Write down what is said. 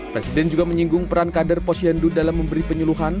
presiden juga menyinggung peran kader posyendu dalam memberi penyeluhan